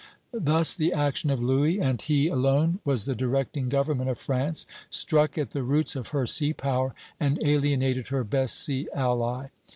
Thus the action of Louis and he alone was the directing government of France struck at the roots of her sea power, and alienated her best sea ally.